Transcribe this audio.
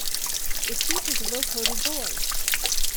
It features a vocoded Boy!